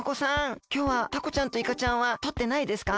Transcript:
きょうはタコちゃんとイカちゃんはとってないですか？